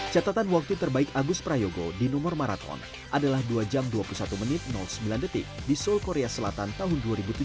catatan waktu terbaik agus prayogo di nomor maraton adalah dua jam dua puluh satu menit sembilan detik di seoul korea selatan tahun dua ribu tujuh belas